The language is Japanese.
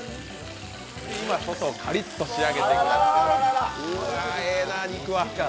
今、外をカリッと仕上げています。